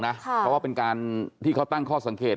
เพราะว่าเป็นการที่เขาตั้งข้อสังเกต